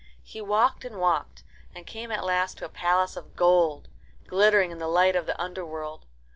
He walked and walked, and came at last to a palace of gold, glittering in the light of the underworld.